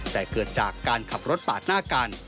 แต่เกิดจากการขับรถปาดหน้ากัน